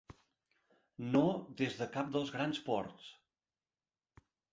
No des de cap dels grans ports.